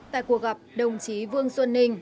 tại cuộc gặp đồng chí vương xuân ninh